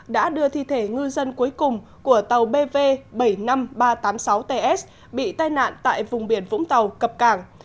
đã đưa thi thể ngư dân cuối cùng của tàu bv bảy mươi năm nghìn ba trăm tám mươi sáu ts bị tai nạn tại vùng biển vũng tàu cập cảng